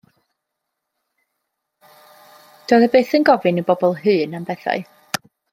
Doedd o byth yn gofyn i bobl hŷn am bethau.